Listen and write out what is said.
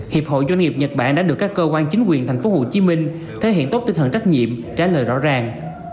hiệp hội doanh nghiệp nhật bản đã được các cơ quan chính quyền tp hcm thể hiện tốt tinh thần trách nhiệm trả lời rõ ràng